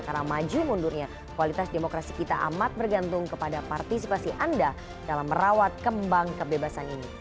karena maju mundurnya kualitas demokrasi kita amat bergantung kepada partisipasi anda dalam merawat kembang kebebasan ini